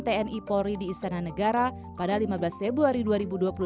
tni polri di istana negara pada lima belas februari dua ribu dua puluh